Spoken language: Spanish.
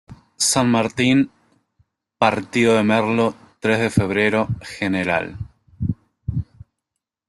San Martín, Partido de Merlo, Tres de Febrero, Gral.